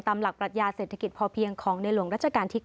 ตามหลักปรัชญาเศรษฐกิจพอเพียงของในหลวงรัชกาลที่๙